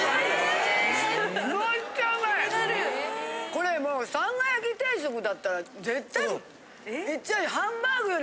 ・これもうさんが焼き定食だったら絶対いっちゃうよ。